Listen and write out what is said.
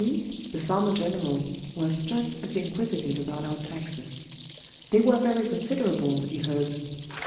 P , the farmer general, was just as inquisitive about our taxes. They were very considerable, he heard.